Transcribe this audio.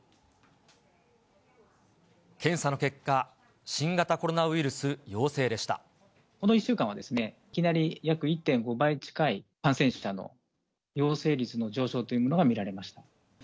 検査の結果、この１週間は、いきなり約１．５倍近い感染者の陽性率の上昇というものが見られました。